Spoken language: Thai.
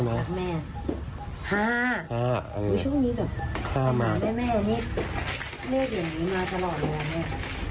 ช่วงนี้แบบแม่นี่เลขอย่างนี้มาตลอดเลยแม่